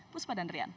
bu sempat dan rian